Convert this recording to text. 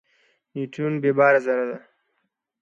نیوترون بېباره ذره ده.